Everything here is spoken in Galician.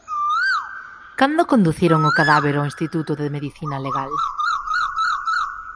Cando conduciron o cadáver ao Instituto de Medicina Legal?